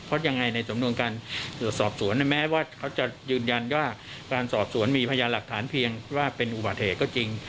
เพราะยังไงในสำนวนการสอบสวนแม้ว่าเขาจะยืนยันว่าการสอบสวนมีพยานหลักฐานเพียงว่าเป็นอุบัติเหตุก็จริง